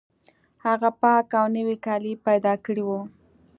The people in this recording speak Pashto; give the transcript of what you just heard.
هغه پاک او نوي کالي پیدا کړي وو